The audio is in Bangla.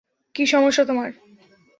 কী সমস্যা তোমার?